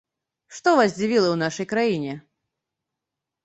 Што вас здзівіла ў нашай краіне?